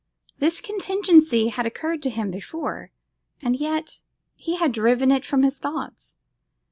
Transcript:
This contingency had occurred to him before, and yet he had driven it from his thoughts.